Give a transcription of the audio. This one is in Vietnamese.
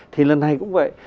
thì lần này cũng vậy